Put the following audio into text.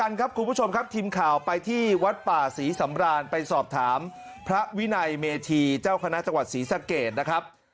ในเมธีเจ้าคณะจังหวัดศรีสะเกตนะครับ